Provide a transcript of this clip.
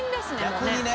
逆にね。